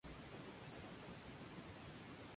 Actualmente de encuentra soltero.